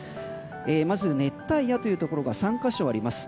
まず熱帯夜というところが３か所あります。